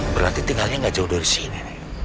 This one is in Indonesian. berarti tinggalnya nggak jauh dari sini